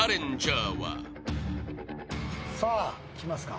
さあきますか。